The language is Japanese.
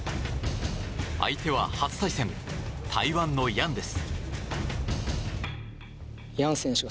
相手は初対戦台湾のヤンです。